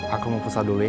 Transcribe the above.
aku mau pulsa dulu ya